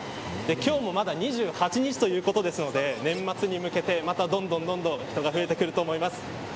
今日もまだ２８日ということなので年末にかけて、また、どんどん人が増えてくると思います。